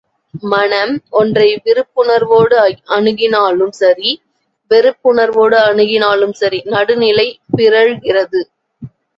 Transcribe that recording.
மனம், ஒன்றை விருப்புணர்வோடு அணுகினாலும் சரி, வெறுப்புணர்வோடு அணுகினாலும் சரி, நடுநிலை பிறழ்கிறது!